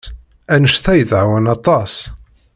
Anect-a yettɛawan aṭas.